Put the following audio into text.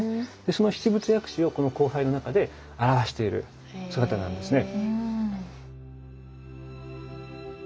その七仏薬師をこの光背の中で表している姿なんですね。